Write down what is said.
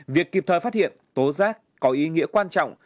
việc kịp thời phát hiện tố giác có ý nghĩa quan trọng